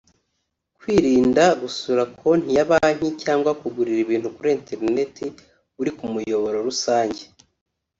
Kwirinda gusura konti ya banki cyangwa kugurira ibintu kuri internet uri ku muyoboro rusange